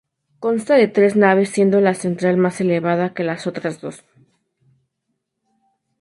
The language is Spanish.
Consta de tres naves, siendo la central más elevada que las otras dos.